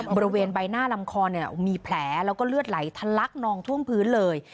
บริเวณใบหน้าลำคอมีแผลแล้วก็เลือดไหลทะลักนองท่วมพื้นเลย